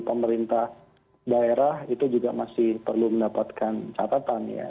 pemerintah daerah itu juga masih perlu mendapatkan catatan ya